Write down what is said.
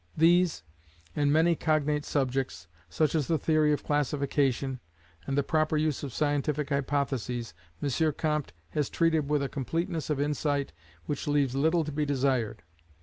These, and many cognate subjects, such as the theory of Classification, and the proper use of scientific Hypotheses, M. Comte has treated with a completeness of insight which leaves little to be desired.